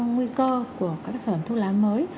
nguy cơ của các sản phẩm thuốc lá mới